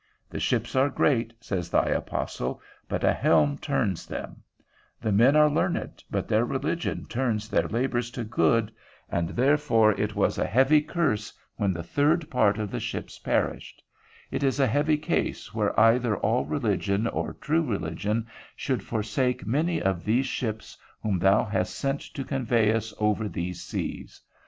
The ships are great, says thy apostle, but a helm turns them; the men are learned, but their religion turns their labours to good, and therefore it was a heavy curse when the third part of the ships perished: it is a heavy case where either all religion, or true religion, should forsake many of these ships whom thou hast sent to convey us over these seas.